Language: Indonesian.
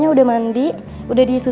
selamat pagi bu